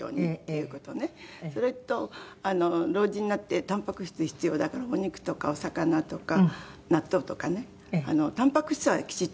それと老人になってタンパク質必要だからお肉とかお魚とか納豆とかねタンパク質はきちっと取るようにして。